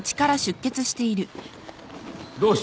どうした？